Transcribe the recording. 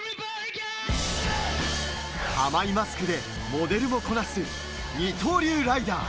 甘いマスクでモデルもこなす二刀流ライダー。